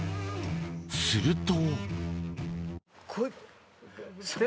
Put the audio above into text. すると。